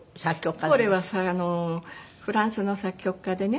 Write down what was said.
フォーレはフランスの作曲家でね